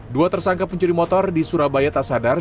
dua tersangka pencuri motor di surabaya tak sadar